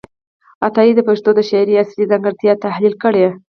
عطايي د پښتو د شاعرۍ اصلي ځانګړتیاوې تحلیل کړې دي.